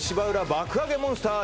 爆上げモンスター」